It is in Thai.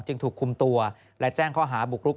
จึงถูกคุมตัวและแจ้งข้อหาบุกรุก